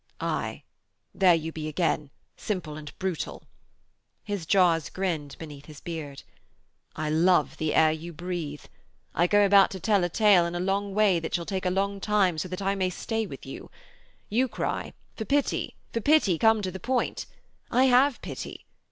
'Aye, there you be again, simple and brutal!' His jaws grinned beneath his beard. 'I love the air you breathe. I go about to tell a tale in a long way that shall take a long time, so that I may stay with you. You cry: "For pity, for pity, come to the point." I have pity.